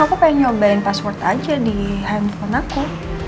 aku pengen nyobain password aja di handphone aku